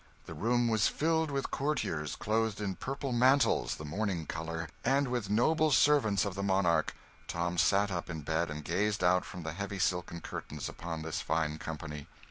The room was filled with courtiers clothed in purple mantles the mourning colour and with noble servants of the monarch. Tom sat up in bed and gazed out from the heavy silken curtains upon this fine company.